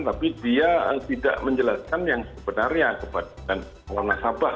tapi dia tidak menjelaskan yang sebenarnya kepada nasabah